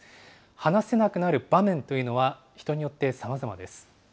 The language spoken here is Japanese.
話せなくなる場面というのは人によってさまざまです。